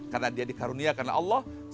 karena dia dikaruniakan oleh allah